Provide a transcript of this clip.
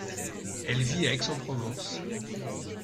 Elle vit à Aix-en-Provence.